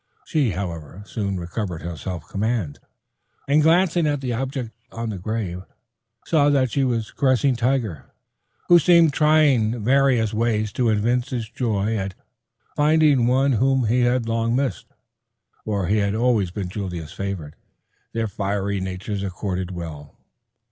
She, however, soon recovered her self command and glancing at the object on the grave, saw that she was caressing Tiger, who seemed trying various ways to evince his joy at finding one whom he had long missed, for he had ever been Julia's favorite. Their fiery natures accorded well!